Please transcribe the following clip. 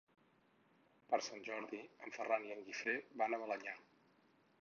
Per Sant Jordi en Ferran i en Guifré van a Balenyà.